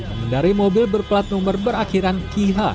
mengendari mobil berplat nomor berakhiran qh